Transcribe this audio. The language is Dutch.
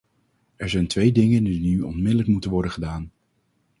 Er zijn twee dingen die nu onmiddellijk moeten worden gedaan.